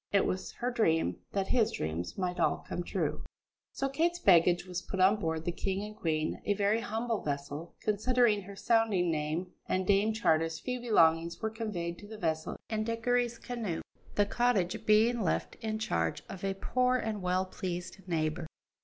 It was her dream, that his dreams might all come true. So Kate's baggage was put on board the King and Queen, a very humble vessel considering her sounding name, and Dame Charter's few belongings were conveyed to the vessel in Dickory's canoe, the cottage being left in charge of a poor and well pleased neighbour.